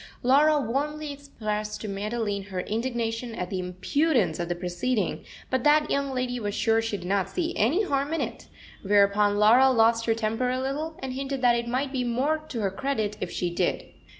Laura warmly expressed to Madeline her indignation at the impudence of the proceeding, but that young lady was sure she did not see any harm in it; whereupon Laura lost her temper a little, and hinted that it might be more to her credit if she did.